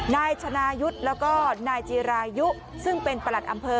นายชนายุทธ์แล้วก็นายจีรายุซึ่งเป็นประหลัดอำเภอ